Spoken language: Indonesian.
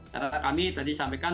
karena kami tadi sampaikan